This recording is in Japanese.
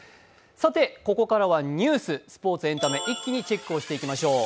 さて、ここからはニュース、スポーツ、エンタメ一気にチェックをしていきましょう。